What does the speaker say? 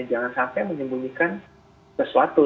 jangan sampai menyembunyikan sesuatu